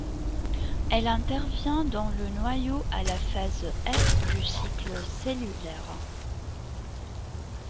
Elle intervient dans le noyau à la phase S du cycle cellulaire.